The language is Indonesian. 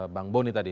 bang boni tadi